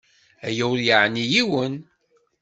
Aya ur yeɛni yiwen.